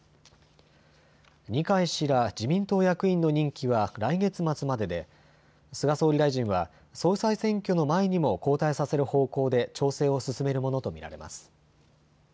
二階氏ら自民党役員の任期は来月末までで菅総理大臣は総裁選挙の前にも交代させる方向で調整を進めるものと見られます。